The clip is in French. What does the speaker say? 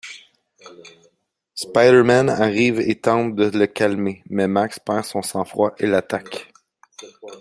Spider-Man arrive et tente de le calmer, mais Max perd son sang-froid et l'attaque.